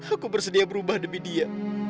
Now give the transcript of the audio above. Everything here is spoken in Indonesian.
aku bersedia berubah demi dia